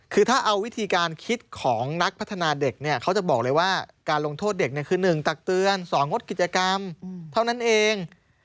คือถ้าเอาวิธีการคิดของนักพัฒนาเด็กเนี่ยเขาจะบอกเลยว่าการลงโทษเด็กคือ๑ตักเตือน๒งดกิจกรรมเท่านั้นเอง